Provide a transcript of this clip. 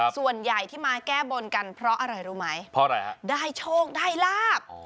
ส่วนใหญ่ที่มาแก้บนกันเพราะอะไรรู้ไหมได้โชคได้ลาบ